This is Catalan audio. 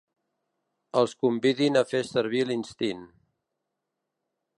Els convidin a fer servir l'instint.